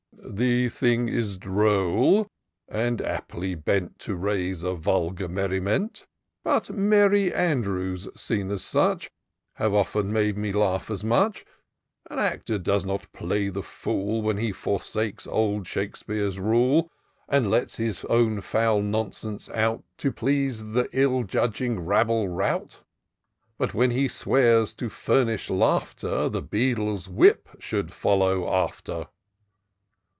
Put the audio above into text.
'' The thing is droll, and aptly bent To raise a vulgar merriment : But Merry Andrews, seen as such. Have often made me laugh as much* An actor does but play the fool When he forsakes old Shakespeare's rule. And lets his own foul nonsense out. To please th' ill judging rabble rout: But when he swears, to ftimish laughter. The beadle's whip should follow after.